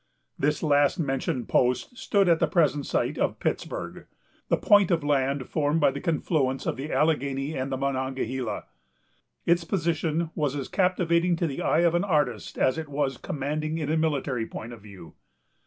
This last mentioned post stood on the present site of Pittsburg——the point of land formed by the confluence of the Alleghany and the Monongahela. Its position was as captivating to the eye of an artist as it was commanding in a military point of view.